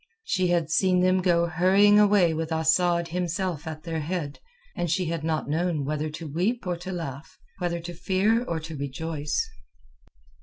She had seen them go hurrying away with Asad himself at their head, and she had not known whether to weep or to laugh, whether to fear or to rejoice.